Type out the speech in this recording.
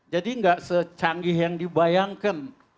jadi gak secanggih yang dibayangkan